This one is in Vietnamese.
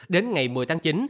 đến ngày một mươi tháng chín